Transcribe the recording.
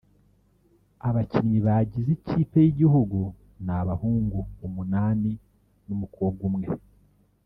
Abakinnyi bagize ikipe y’igihugu ni abahungu umunani n’umukobwa umwe